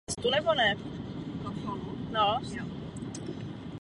Cílem bylo snížit počet zdejších nezaměstnaných a snížit možný odpor pařížských dělníků.